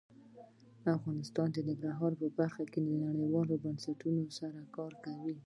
افغانستان د ننګرهار په برخه کې نړیوالو بنسټونو سره کار کوي.